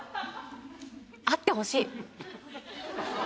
あってほしい！